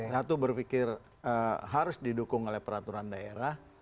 satu berpikir harus didukung oleh peraturan daerah